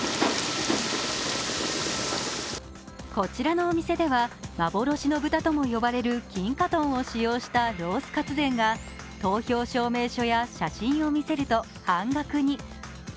こちらのお店では幻の豚とも言われる金華豚を仕様したとんかつが投票証明書や写真を見せると半額に。